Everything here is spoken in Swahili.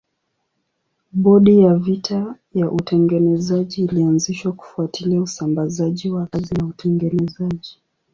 Bodi ya vita ya utengenezaji ilianzishwa kufuatilia usambazaji wa kazi na utengenezaji.